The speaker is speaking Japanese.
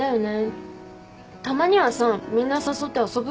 たまにはさみんな誘って遊ぶ？